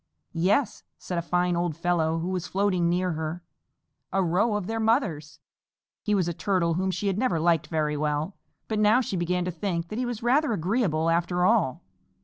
"Yes," said a fine old fellow who was floating near her, "a row of their mothers!" He was a Turtle whom she had never liked very well, but now she began to think that he was rather agreeable after all.